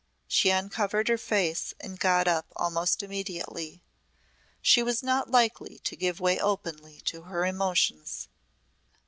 She uncovered her face and got up almost immediately. She was not likely to give way openly to her emotions.